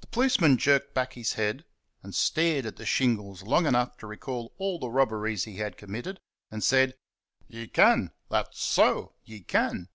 The policeman jerked back his head and stared at the shingles long enough to recall all the robberies he had committed, and said: "Ye can that's so ye can."